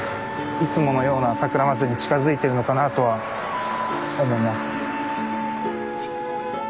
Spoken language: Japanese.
いつものようなさくらまつりに近づいてるのかなとは思います。